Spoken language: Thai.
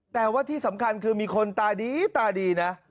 แต่ว่าที่สำคัญคือมีคนตาดีตาดีนะ